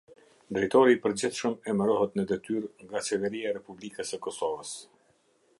Drejtori i Përgjithshëm emërohet në detyrë nga Qeveria e Republikës së Kosovës.